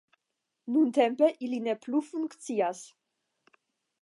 Nuntempe ili ne plu funkcias.